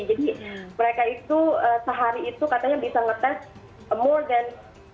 jadi mereka itu sehari itu katanya bisa ngetes more than dua ratus